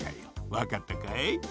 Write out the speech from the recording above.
わかったかい？